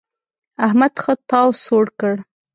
احمد ښه تاو سوړ کړ.